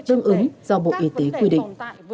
tương ứng do bộ y tế quy định